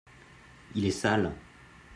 il est sale.